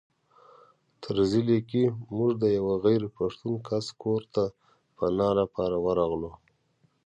طرزي لیکي موږ د یوه غیر پښتون کس کور ته پناه لپاره ورغلو.